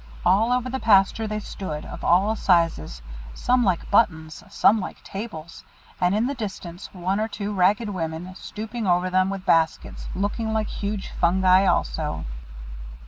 All over the pasture they stood, of all sizes, some like buttons, some like tables; and in the distance one or two ragged women, stooping over them with baskets, looked like huge fungi also.